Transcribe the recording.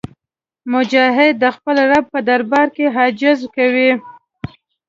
مجاهد د خپل رب په دربار کې عاجزي کوي.